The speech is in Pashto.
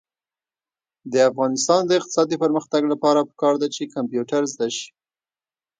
د افغانستان د اقتصادي پرمختګ لپاره پکار ده چې کمپیوټر زده شي.